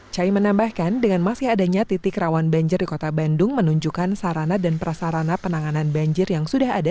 cai menambahkan dengan masih adanya titik rawan banjir di kota bandung menunjukkan sarana dan prasarana penanganan banjir yang sudah ada